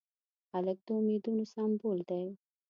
هلک د امیدونو سمبول دی.